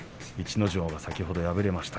逸ノ城、先ほど敗れました。